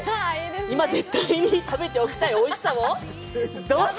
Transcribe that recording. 今絶対に食べておきたいおいしさをどうぞ！